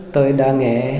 tôi đã nghe